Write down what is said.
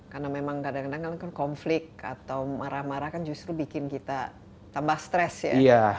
karena memang kadang kadang konflik atau marah marah kan justru bikin kita tambah stress ya